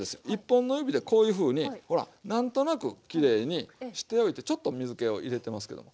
１本の指でこういうふうにほら何となくきれいにしておいてちょっと水けを入れてますけど。